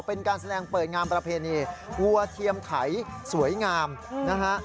เป็นการแสดงเปิดงานประเพณีวัวเทียมไถสวยงามนะฮะ